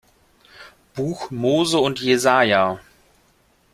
Buch Mose und Jesaja.